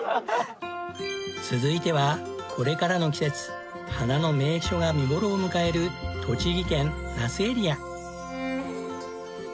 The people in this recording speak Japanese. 続いてはこれからの季節花の名所が見頃を迎える栃木県那須エリア。